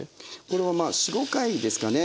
これはまあ４５回ですかね。